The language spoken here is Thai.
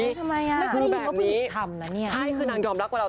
ทำไมอะไม่เคยยินว่าพี่ทำนะเนี่ยคือแบบนี้ใช่คือนางยอมรักกว่าเรา